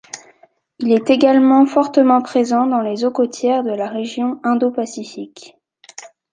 Il est également fortement présent dans les eaux cotières de la région indo-Pacifique.